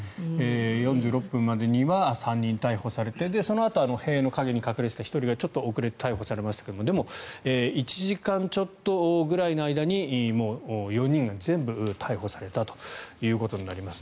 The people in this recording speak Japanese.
４６分までには３人逮捕されてそのあと塀の陰に隠れていた１人がちょっと遅れて逮捕されましたがでも１時間ちょっとぐらいの間にもう４人が全部逮捕されたということになります。